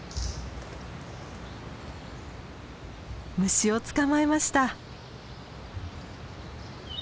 虫を捕まえました。